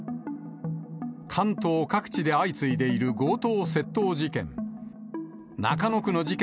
関東各地で相次いでいる強盗窃盗事件。